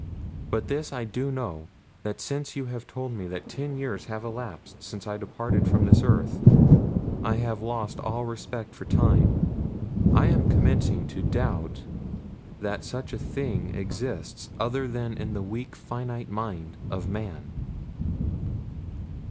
But this I do know that since you have told me that ten years have elapsed since I departed from this earth I have lost all respect for time I am commencing to doubt that such a thing exists other than in the weak, finite mind of man.